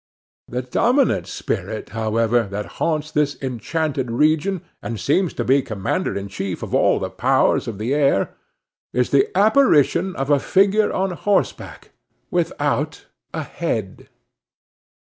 The dominant spirit, however, that haunts this enchanted region, and seems to be commander in chief of all the powers of the air, is the apparition of a figure on horseback, without a head.